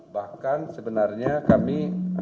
bahkan sebenarnya kami